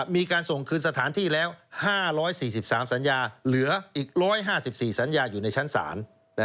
มีการส่งคืนสถานที่แล้ว๕๔๓สัญญาเหลืออีก๑๕๔สัญญาอยู่ในชั้นศาล